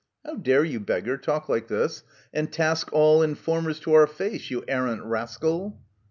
How dare you, beggar, talk like this, and task all Informers to our face, you arrant rascal